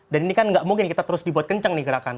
dan ini kan nggak mungkin kita terus dibuat kencang nih gerakan